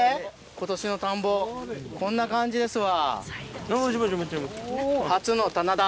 今年の田んぼこんな感じですわ。